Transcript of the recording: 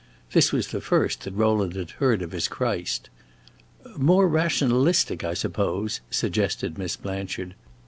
This was the first that Rowland had heard of his Christ. "More rationalistic, I suppose," suggested Miss Blanchard.